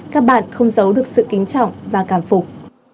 các bạn không giấu được sự kính trọng và cảm phục